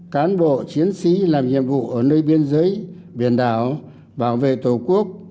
cán bộ chiến sĩ làm nhiệm vụ ở nơi biên giới biển đảo bảo vệ tổ quốc